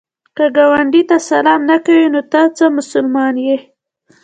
که ګاونډي ته سلام نه کوې، نو ته څه مسلمان یې؟